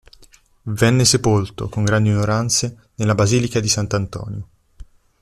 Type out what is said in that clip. Venne sepolto, con grandi onoranze, nella Basilica di S. Antonio.